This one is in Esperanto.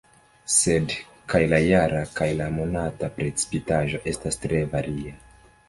Sed kaj la jara kaj la monata precipitaĵo estas tre varia.